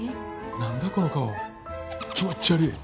何だこの顔気持ち悪ぃ。